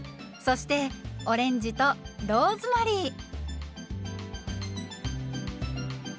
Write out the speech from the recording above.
そしてオレンジとローズマリー。